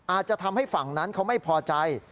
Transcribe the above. อาจจะทำให้ฝั่งนั้นเขาไม่พอใจ